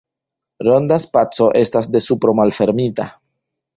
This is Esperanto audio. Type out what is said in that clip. Ronda spaco estas de supro malfermita.